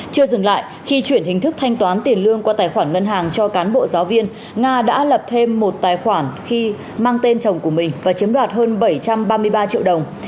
chưa dừng lại khi chuyển hình thức thanh toán tiền lương qua tài khoản ngân hàng cho cán bộ giáo viên nga đã lập thêm một tài khoản khi mang tên chồng của mình và chiếm đoạt hơn bảy trăm ba mươi ba triệu đồng